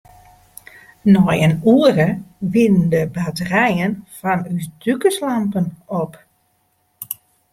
Nei in oere wiene de batterijen fan ús dûkerslampen op.